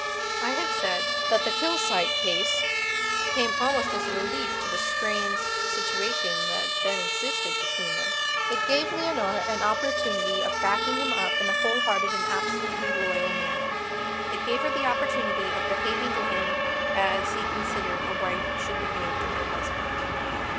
I have said that the Kilsyte case came almost as a relief to the strained situation that then existed between them. It gave Leonora an opportunity of backing him up in a whole hearted and absolutely loyal manner. It gave her the opportunity of behaving to him as he considered a wife should behave to her husband.